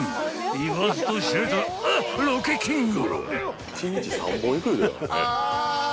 ［言わずと知れたあっロケキング］